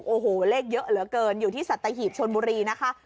โอ้โหเลขเยอะเหลือเกินอยู่ที่สัตหีบชนบุรีนะคะ